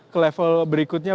ke level berikutnya